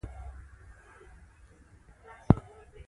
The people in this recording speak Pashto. آیا ممکنه نه وه چې لېلیانو هم یو شیام لرلی